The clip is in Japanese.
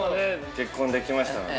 結婚できましたので。